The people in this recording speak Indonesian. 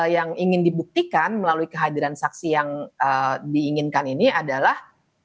yang ingin dibuktikan melalui kehadiran saksi yang diinginkan ini adalah